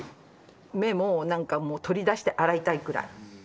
目もなんかもう、取り出して洗いたいくらい。